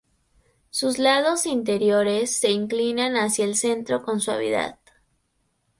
Sus lados interiores se inclinan hacia el centro con suavidad.